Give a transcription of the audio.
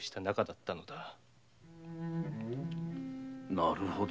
なるほど。